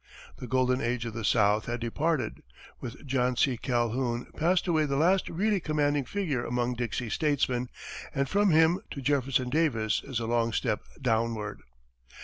The golden age of the South had departed; with John C. Calhoun passed away the last really commanding figure among Dixie's statesmen, and from him to Jefferson Davis is a long step downward.